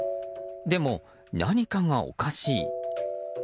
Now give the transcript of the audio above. でも、何かがおかしい。